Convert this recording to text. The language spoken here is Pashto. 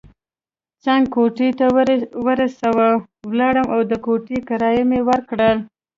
څنګ کوټې ته ورسره ولاړم او د کوټې کرایه مې ورکړل.